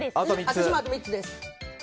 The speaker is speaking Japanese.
私もあと３つです。